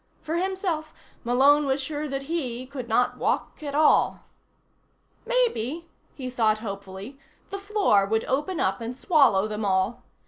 For himself, Malone was sure that he could not walk at all. Maybe, he thought hopefully, the floor would open up and swallow them all.